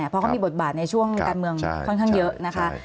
เพราะเขามีบทบาทในช่วงการเมืองค่อนข้างเยอะนะคะ